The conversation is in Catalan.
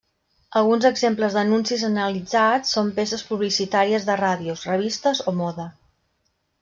Alguns exemples d’anuncis analitzats són peces publicitàries de ràdios, revistes o moda.